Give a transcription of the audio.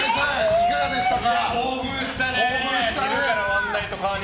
いかがでしたか？